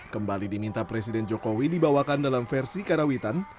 kembali diminta presiden jokowi dibawakan dalam versi karawitan